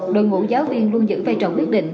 đội ngũ giáo viên luôn giữ vai trò quyết định